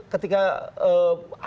ketika ragu ragu gitu ya